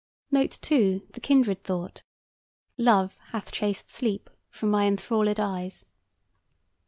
Note, too, the kindred thought: "Love hath chased sleep from my enthrallèd eyes."